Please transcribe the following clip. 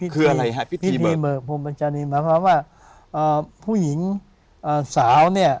คืออะไรครับวิธีเบลอภพมจารีหมายความว่าพ่อหญิงสาวเนี่ย